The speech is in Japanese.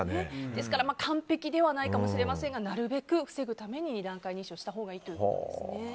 ですから完璧ではないかもしれませんがなるべく防ぐために二段階認証システムしたほうがいいということですね。